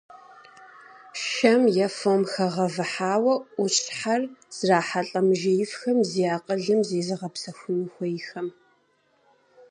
Шэм е фом хэгъэвыхьауэ ӏущхьэр зрахьэлӏэ мыжеифхэм, зи акъылым зезыгъэпсэхуну хуейхэм.